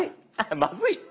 まずい？